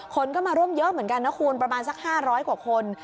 คนก็มาร่วมเยอะเหมือนกันนะคุณประมาณสัก๕๐๐กว่าคน